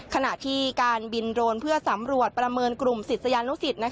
ขณะที่การบินโดรนเพื่อสำรวจประเมินกลุ่มศิษยานุสิต